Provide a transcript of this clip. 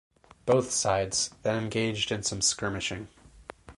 Both sides then engaged in some skirmishing.